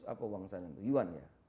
seratus apa uang sana itu yuan ya